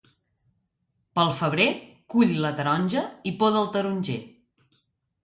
Pel febrer cull la taronja i poda el taronger.